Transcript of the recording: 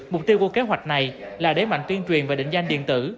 mục tiêu của kế hoạch này là đế mạnh tuyên truyền và định danh điện tử